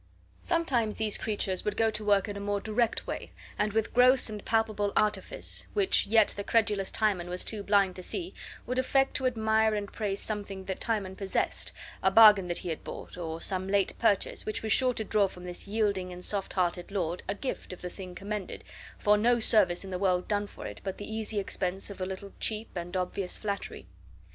Sometimes these creatures would go to work in a more direct way, and with gross and palpable artifice, which yet the credulous Timon was too blind to see, would affect to admire and praise something that Timon possessed, a bargain that he had bought, or some late purchase, which was sure to draw from this yielding and soft hearted lord a gift of the thing commended, for no service in the world done for it but the easy expense of a little cheap and obvious flattery.